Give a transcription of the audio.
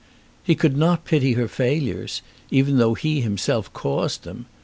He could not pity her failures, even though he had himself caused them!